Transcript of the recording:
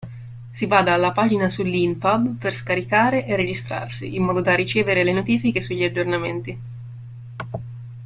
Si vada alla pagina su Leanpub per scaricare e registrarsi in modo da ricevere le notifiche sugli aggiornamenti.